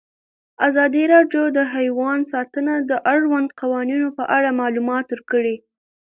ازادي راډیو د حیوان ساتنه د اړونده قوانینو په اړه معلومات ورکړي.